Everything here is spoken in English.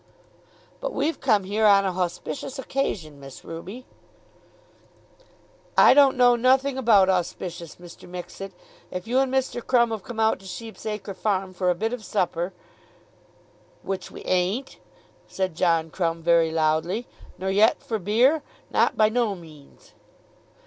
"But we've come here on a hauspicious occasion, Miss Ruby." "I don't know nothing about auspicious, Mr. Mixet. If you and Mr. Crumb've come out to Sheep's Acre farm for a bit of supper " "Which we ain't," said John Crumb very loudly; "nor yet for beer; not by no means."